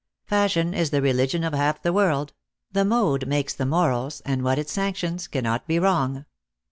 Fashion is the religion of half the world ; the mode makes the morals, and what it sanctions cannot be wrong.